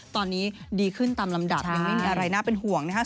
ตอนนี้ดีขึ้นตามลำดับยังไม่มีอะไรน่าเป็นห่วงนะครับ